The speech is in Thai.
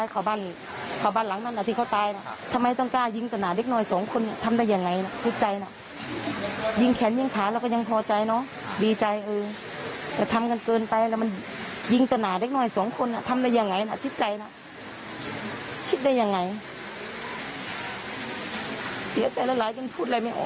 คือว่าเขาก็มาเกี่ยวพันธุ์เขาก็ชอบอะไรอย่างเงี้ยเออ